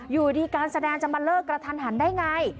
อยู่ดีการแสดงจะมาเลิกกระทันหันได้ไง